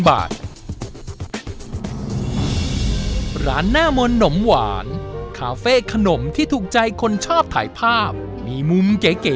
ร้านหน้ามนต์หนมหวานคาเฟ่ขนมที่ถูกใจคนชอบถ่ายภาพมีมุมเก๋